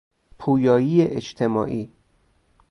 پویایی اجتماعی